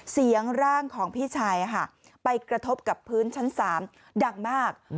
เสียงร่างของพี่ชายไปกระทบกับพื้นชั้น๓ดังมาก